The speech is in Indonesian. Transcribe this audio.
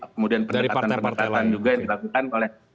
kemudian pendekatan pendekatan juga yang dilakukan oleh